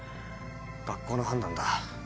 学校の判断だ。